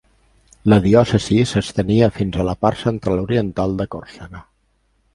La diòcesi s'estenia fins a la part central-oriental de Còrsega.